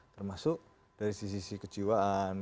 termasuk dari sisi sisi kejiwaan